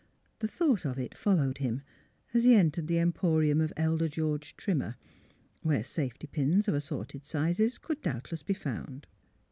The thought of it followed him, as he entered the Emporium of Elder George Trimmer, where safety pins of assorted sizes could doubt less be found.